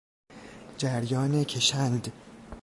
جریان کشند